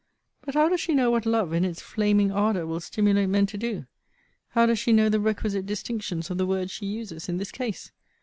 But how does she know what love, in its flaming ardour, will stimulate men to do? How does she know the requisite distinctions of the words she uses in this case?